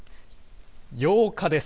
８日です。